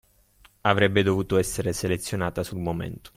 Avrebbe dovuto essere selezionata sul momento.